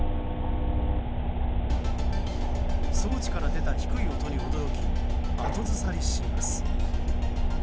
装置から出た低い音に驚き後ずさりします。